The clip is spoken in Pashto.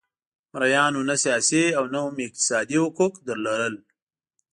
مریانو نه سیاسي او نه هم اقتصادي حقوق لرل.